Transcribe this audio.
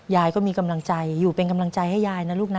ยายก็มีกำลังใจอยู่เป็นกำลังใจให้ยายนะลูกนะ